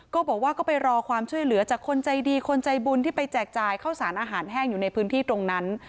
ก็บอกว่าก็ไปรอความช่วยเหลือจากคนใจดีคนใจบุญที่ไปแจกจ่ายข้าวสารอาหารแห้งอยู่ในพื้นที่ตรงนั้น